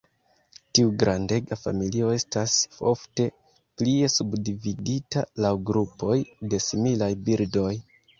Tiu grandega familio estas ofte plie subdividita laŭ grupoj de similaj birdoj.